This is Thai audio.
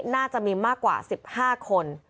น่าจะมีมากกว่า๑๕คน